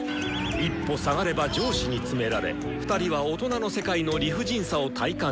一歩下がれば上司につめられ２人は大人の世界の理不尽さを体感していた。